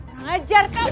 ah nangajar kau